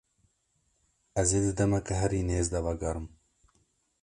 Ez ê di demeke herî nêz de vegerim.